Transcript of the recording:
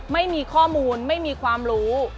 ไม่มีข้อมูลไม่มีความรู้